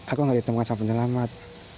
aku nggak ditemukan sama penyelamat